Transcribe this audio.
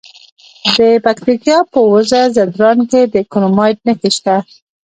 د پکتیا په وزه ځدراڼ کې د کرومایټ نښې شته.